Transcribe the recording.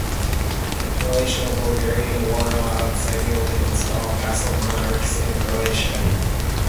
The Croato-Bulgarian War allowed Samuel to install vassal monarchs in Croatia.